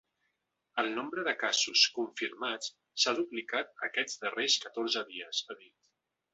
El nombre de casos confirmats s’ha duplicat aquests darrers catorze dies, ha dit.